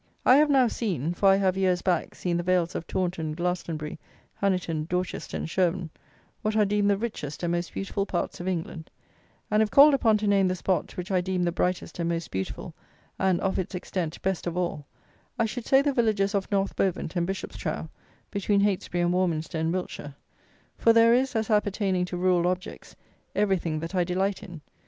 I have now seen (for I have, years back, seen the vales of Taunton, Glastonbury, Honiton, Dorchester and Sherburne) what are deemed the richest and most beautiful parts of England; and, if called upon to name the spot, which I deem the brightest and most beautiful and, of its extent, best of all, I should say, the villages of North Bovant and Bishopstrow, between Heytesbury and Warminster in Wiltshire; for there is, as appertaining to rural objects, everything that I delight in.